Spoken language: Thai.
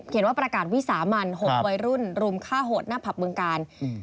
ว่าประกาศวิสามัน๖วัยรุ่นรุมฆ่าโหดหน้าผับบึงกาล